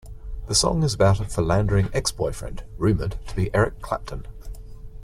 The song is about a philandering ex-boyfriend, rumoured to be Eric Clapton.